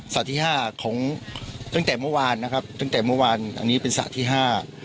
ที่ห้าของตั้งแต่เมื่อวานนะครับตั้งแต่เมื่อวานอันนี้เป็นสระที่ห้า